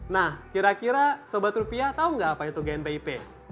nah kira kira sobat rupiah tahu nggak apa itu gnpip